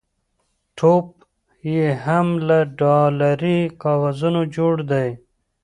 ټوپ یې هم له ډالري کاغذونو جوړ دی.